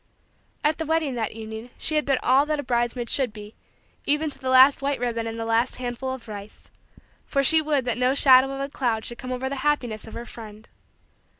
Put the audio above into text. At the wedding that evening she had been all that a bridesmaid should be, even to the last white ribbon and the last handful of rice, for she would that no shadow of a cloud should come over the happiness of her friend.